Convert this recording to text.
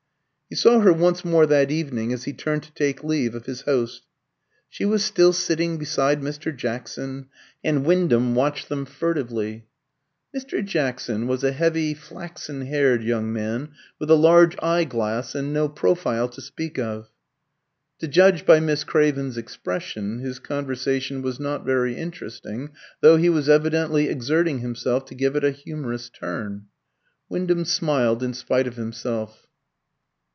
He saw her once more that evening as he turned to take leave of his host. She was still sitting beside Mr. Jackson, and Wyndham watched them furtively. Mr. Jackson was a heavy, flaxen haired young man, with a large eye glass and no profile to speak of. To judge by Miss Craven's expression, his conversation was not very interesting, though he was evidently exerting himself to give it a humorous turn. Wyndham smiled in spite of himself.